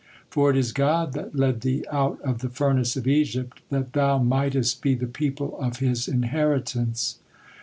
For it is God that led thee out of the furnace of Egypt, that thou mightest be the people of His inheritance."